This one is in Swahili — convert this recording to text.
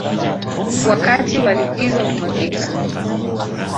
Wakati wa likizo umefika